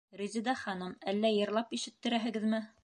Резеда ханым, әллә йырлап ишеттерәһегеҙме?